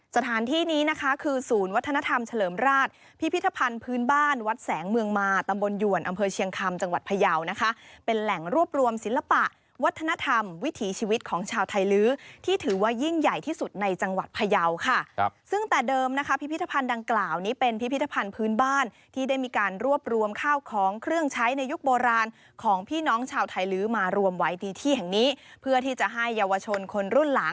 สถานที่นี้นะคะคือศูนย์วัฒนธรรมเฉลิมราชพิพิทธภัณฑ์พื้นบ้านวัดแสงเมืองมาตำบลหยวนอำเภอเชียงคำจังหวัดพยาวนะคะเป็นแหล่งรวบรวมศิลปะวัฒนธรรมวิถีชีวิตของชาวไทยลื้อที่ถือว่ายิ่งใหญ่ที่สุดในจังหวัดพยาวค่ะซึ่งแต่เดิมนะคะพิพิธภัณฑ์ดังกล่าวนี้เป็